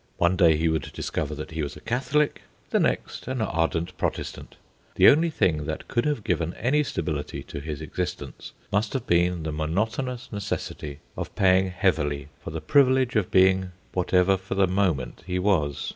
One day he would discover that he was a Catholic, the next an ardent Protestant. The only thing that could have given any stability to his existence must have been the monotonous necessity of paying heavily for the privilege of being whatever for the moment he was.